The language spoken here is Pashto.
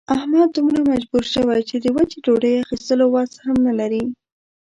احمد دومره مجبور شوی چې د وچې ډوډۍ اخستلو وس هم نه لري.